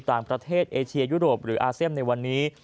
ต่างประเทศเอเชียยุโรปหรืออาเซียนในวันนี้